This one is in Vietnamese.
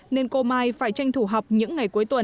nên cô mai phải tranh thủ học những ngày cuối tuần